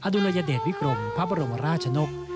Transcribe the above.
ดุลยเดชวิกรมพระบรมราชนก